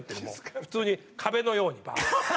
普通に壁のようにバーッ。